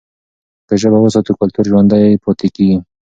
که ژبه وساتو، کلتور ژوندي پاتې کېږي.